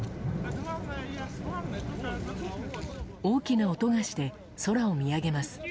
大きな音がして、空を見上げます。